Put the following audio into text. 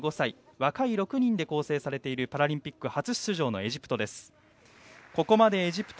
若い６人で構成されているパラリンピック初出場のエジプト。